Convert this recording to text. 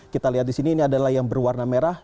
kita lihat di sini ini adalah yang berwarna merah